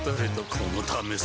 このためさ